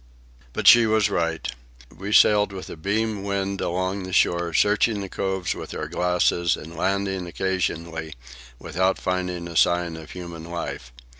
But she was right. We sailed with a beam wind along the shore, searching the coves with our glasses and landing occasionally, without finding a sign of human life.